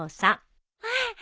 あっ！